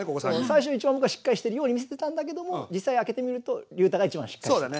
最初一番僕がしっかりしてるように見せてたんだけども実際開けてみるとりゅうたが一番しっかりしてる。